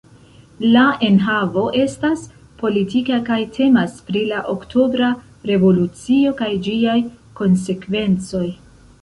La enhavo estas politika kaj temas pri la Oktobra Revolucio kaj ĝiaj konsekvencoj.